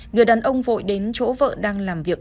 người đàn ông vội đến chỗ vợ đang làm việc